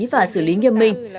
và xử lý nghiêm minh